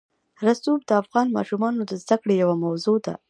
رسوب د افغان ماشومانو د زده کړې یوه موضوع ده.